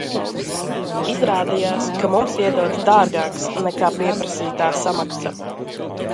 Izrādījās, ka mums iedots dārgāks, nekā pieprasītā samaksa.